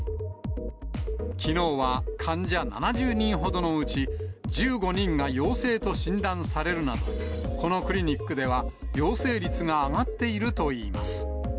きのうは患者７０人ほどのうち、１５人が陽性と診断されるなど、このクリニックでは、陽性率が上がっているといいます。